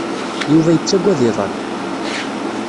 Yuba yettaggad iḍan.